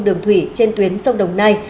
đường thủy trên tuyến sông đồng nai